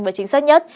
và chính xác